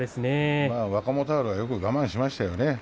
若元春はよく我慢しました。